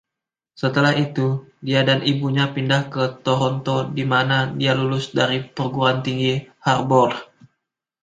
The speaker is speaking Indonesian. Setelah itu, dia dan ibunya pindah ke Toronto, di mana dia lulus dari Perguruan Tinggi Harbord.